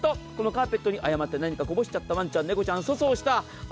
カーペットに誤って何かこぼしちゃったワンちゃん、ネコちゃん粗相した。